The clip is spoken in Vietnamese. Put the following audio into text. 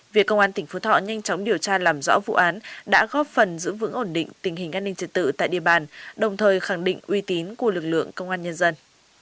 việc công an tỉnh phú thọ nhanh chóng điều tra làm rõ vụ án đã góp phần giữ vững ổn định tình hình an ninh trật tự tại địa bàn đồng thời khẳng định uy tín của lực lượng công an nhân dân